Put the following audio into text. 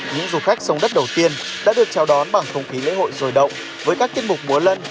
những du khách sông đất đầu tiên đã được chào đón bằng không khí lễ hội rồi động với các tiết mục múa lân